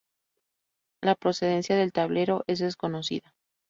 La procedencia del tablero es desconocida.